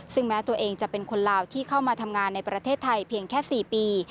ซึ่งแม้ตัวเองจะเป็นคนลาวที่เข้ามาทำงานในประเทศไทยเพียงแค่๔ปี